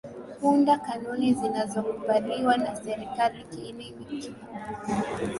kuunda kanuni zinazokubaliwa na serikali Kiini kikuu